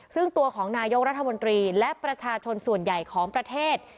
ซึ่งตัวของนายกรัฐมนตรีและประชาชนส่วนใหญ่ของประเทศ